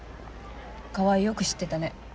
川合よく知ってたね。